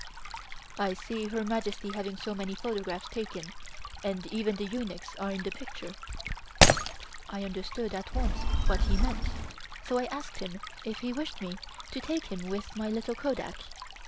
"I see Her Majesty having so many photographs taken and even the eunuchs are in the picture." I understood at once what he meant, so I asked him if he wished me to take him with my little kodak.